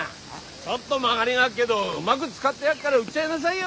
ちょっと曲がりがあっけどうまぐ使ってやっから売っちゃいなさいよ。